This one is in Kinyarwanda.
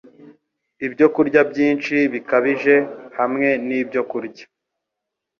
Ibyokurya byinshi bikabije, hamwe n’ibyokurya